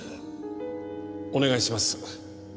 お願いします。